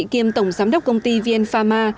kiêm tổng giám đốc công ty viên phạm ma